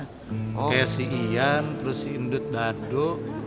kayak si ian terus indut dado